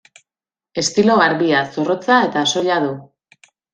Estilo garbia, zorrotza eta soila du.